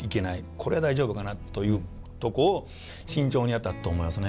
これは大丈夫かなというとこを慎重にやってはったと思いますね。